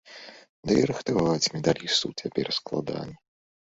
Ды і рыхтаваць медалістаў цяпер складаней.